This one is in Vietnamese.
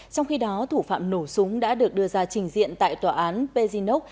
trong khi đó thủ phạm nổ súng đã được đưa ra trình diện tại tòa án pezinov